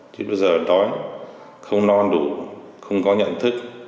thì bây giờ đói không no đủ không có nhận thức